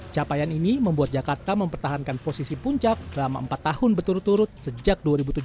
capaian ini membuat jakarta mempertahankan posisi puncak selama empat tahun berturut turut sejak dua ribu tujuh belas